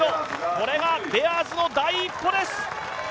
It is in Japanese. これがベアーズの第一歩です。